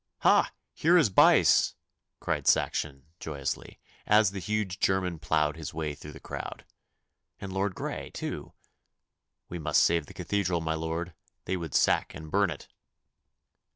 'Ha, here is Buyse!' cried Saxon joyously, as the huge German ploughed his way through the crowd. 'And Lord Grey, too! We must save the Cathedral, my lord! They would sack and burn it.